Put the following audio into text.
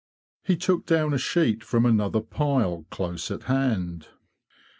He took down a sheet from another pile close at hand.